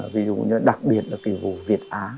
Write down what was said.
ví dụ như đặc biệt là cái vụ việt á